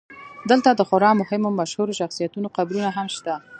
دلته د خورا مهمو مشهورو شخصیتونو قبرونه هم شته.